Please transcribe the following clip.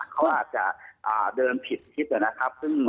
เขาอาจจะเดินผิดทิศนะครับ